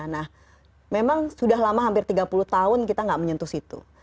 nah memang sudah lama hampir tiga puluh tahun kita nggak menyentuh situ